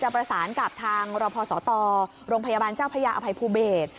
ประสานกับทางรพศตโรงพยาบาลเจ้าพระยาอภัยภูเบศ